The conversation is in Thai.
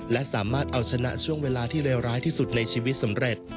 และสามารถเอาชนะช่วงเวลาที่เลวร้ายที่สุดในชีวิตสำเร็จ